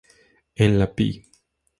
En la Pl.